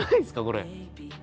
これ。